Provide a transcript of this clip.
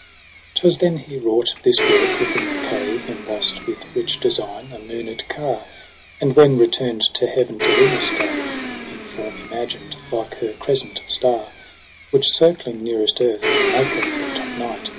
'Twas then he wrought this work within the cave, Emboss'd with rich design, a mooned car j And when returned to heaven to Venus gave, In form imagined like her crescent star ; Which circling nearest earth, maketh at night